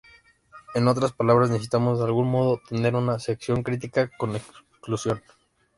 En otras palabras necesitamos de algún modo tener una sección crítica con exclusión.